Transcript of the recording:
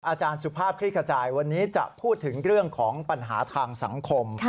อาจารย์สุภาพคลิกขจายวันนี้จะพูดถึงเรื่องของปัญหาทางสังคม